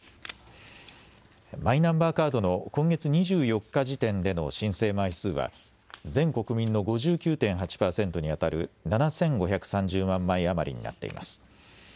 マイナンバーカードの今月２４日時点での申請枚数は全国民の５９．８％にあたる７５３０万枚余りになっています。